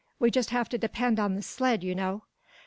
We just have to depend on the sled, you know."